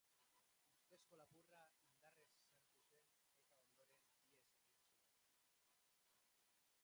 Ustezko lapurra indarrez sartu zen eta ondoren ihes egin zuen.